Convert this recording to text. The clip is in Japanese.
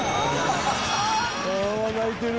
ああ泣いてる。